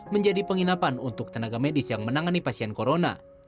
menjadi penginapan untuk tenaga medis yang menangani pasien corona